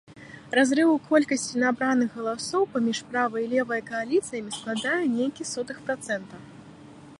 Разрыў у колькасці набраных галасоў паміж правай і левай кааліцыямі складае нейкі сотых працэнта.